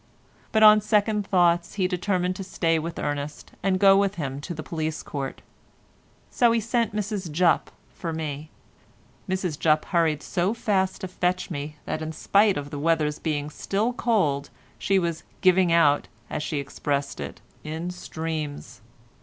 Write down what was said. But on second thoughts he determined to stay with Ernest and go with him to the police court. So he sent Mrs Jupp for me. Mrs Jupp hurried so fast to fetch me, that in spite of the weather's being still cold she was "giving out," as she expressed it, in streams.